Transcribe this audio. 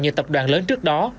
nhà tập đoàn lớn trước đó